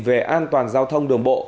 về an toàn giao thông đường bộ